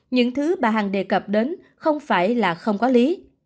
những thứ bà hằng đề cập đến không phải là không có lý